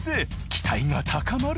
期待が高まる。